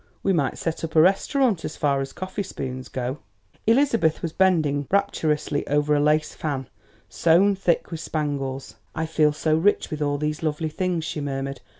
"We might set up a restaurant, as far as coffee spoons go." Elizabeth was bending rapturously over a lace fan, sewn thick with spangles. "I feel so rich with all these lovely things," she murmured.